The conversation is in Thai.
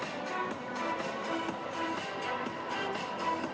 แล้วข้างในที่สุดที่เราก็จะออกไว้